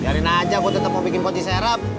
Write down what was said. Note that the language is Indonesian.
biarin aja gua tetep mau bikin poti serap